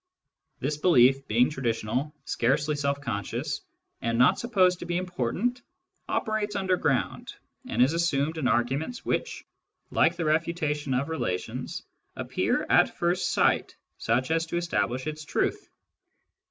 This belief, being traditional, scarcely self conscious, and not supposed to be important, operates underground, and is assumed in arguments which, like the refutation of relations, appear at first sight such as to establish its truth.